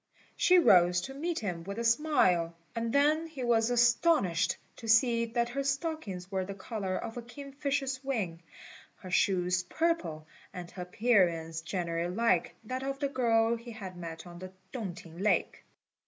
She rose to meet him with a smile, and then he was astonished to see that her stockings were the colour of a kingfisher's wing, her shoes purple, and her appearance generally like that of the girl he had met on the Tung t'ing lake.